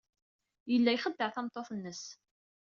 Yella ixeddeɛ tameṭṭut-nnes.